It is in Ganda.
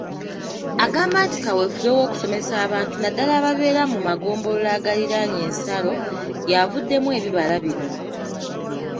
Agamba nti kaweefube w'okusomesa abantu naddala ababeera mu magombolola agaliranye ensalo yaavuddemu ebibala bino.